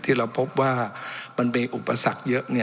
ที่เราพบว่ามันมีอุปสรรคเยอะ